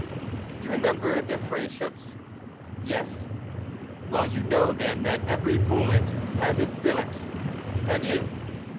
"You remember de Freyschutz?" "Yes." "Well, you know, then, that every bullet has its billet. Adieu!"